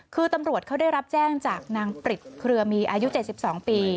คือตำรวจเขาได้รับแจ้งจากนางปริศเครือมีอายุ๗๒ปี